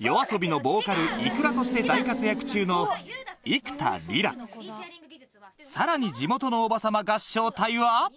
ＹＯＡＳＯＢＩ のボーカル ｉｋｕｒａ として大活躍中の幾田りらさらに地元のおばさま合唱隊は